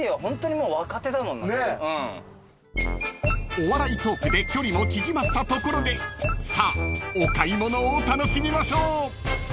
［お笑いトークで距離も縮まったところでさあお買い物を楽しみましょう］